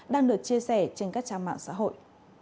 đang được chia sẻ trên các trang mạng xã hội